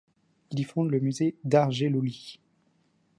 Il y fonde le musée Dar Jellouli.